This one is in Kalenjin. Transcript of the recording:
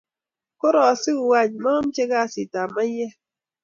Korasiku any mamche kasit ab maiyek